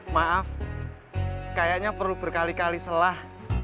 maaf kayaknya perlu berkali kali selah